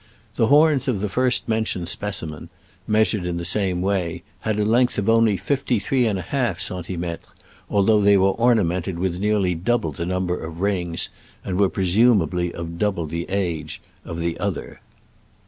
The horns of the first mentioned specimen (meas ured in the same way) had a length of only fifty three and a half centimetres, although they were ornamented with nearly double the number of rings, and were presumably of double the age, of the other.